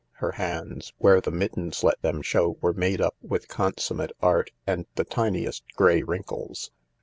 Her hands, where the mittens let them show, were made up with consummate art and the tiniest grey wrinkles.